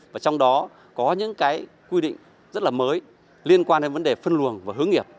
và trong đó có những cái quy định rất là mới liên quan đến vấn đề phân luồng và hướng nghiệp